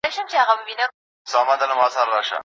د زړه په كور كي مي بيا غم سو